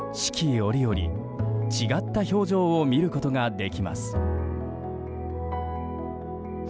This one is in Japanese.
折々、違った表情を見ることができます。